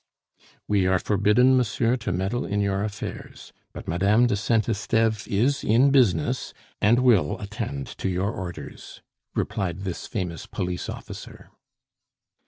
"We are forbidden, monsieur, to meddle in your affairs; but Madame de Saint Esteve is in business, and will attend to your orders," replied this famous police officer.